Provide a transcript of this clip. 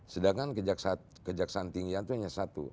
sedangkan kejaksan tinggi itu hanya satu